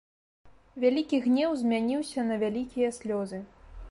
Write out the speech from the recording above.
Вялікі гнеў змяніўся на вялікія слёзы.